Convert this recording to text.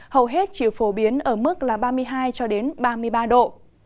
hầu hết chỉ phổ biến ở mức ba mươi hai ba mươi ba độ